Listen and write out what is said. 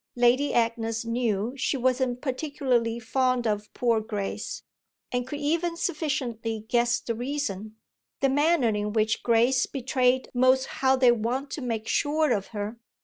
Lady Agnes knew she wasn't particularly fond of poor Grace, and could even sufficiently guess the reason the manner in which Grace betrayed most how they wanted to make sure of her.